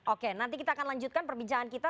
oke nanti kita akan lanjutkan perbincangan kita